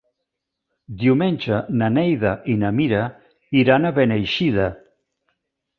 Diumenge na Neida i na Mira iran a Beneixida.